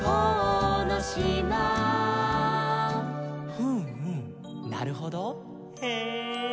「ふんふんなるほどへえー」